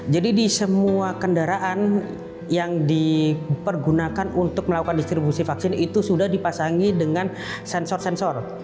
jadi di semua kendaraan yang dipergunakan untuk melakukan distribusi vaksin itu sudah dipasangi dengan sensor sensor